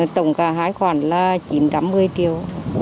tổng cả hai khoản là chín trăm một mươi triệu